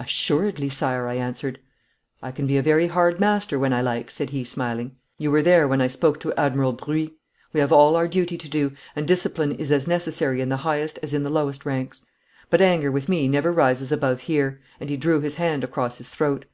'Assuredly, Sire,' I answered. 'I can be a very hard master when I like,' said he smiling. 'You were there when I spoke to Admiral Bruix. We have all our duty to do, and discipline is as necessary in the highest as in the lowest ranks. But anger with me never rises above here,' and he drew his hand across his throat.